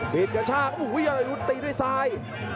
บิดกระชากโอ้โหยอรุณตีด้วยซ้าย